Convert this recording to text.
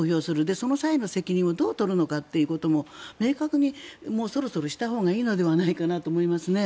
その際の責任をどう取るのかということを明確に、そろそろしたほうがいいのではないかなと思います。